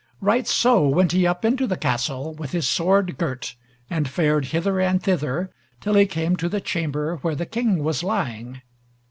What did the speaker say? Right so went he up into the castle, with his sword girt, and fared hither and thither till he came to the chamber where the King was lying.